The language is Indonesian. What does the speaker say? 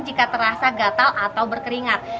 jika terasa gatal atau berkeringat